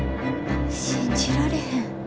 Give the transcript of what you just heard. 信じられへん。